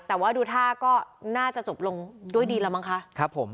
แต่ว่าดูท่าก็น่าจะจบลงด้วยดีแล้วมั้งคะครับผม